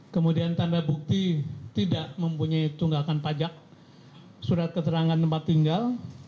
kemudian tanda bukti tidak mempunyai tunggakan pajak surat keterangan tempat tinggal